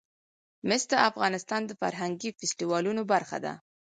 مس د افغانستان د فرهنګي فستیوالونو برخه ده.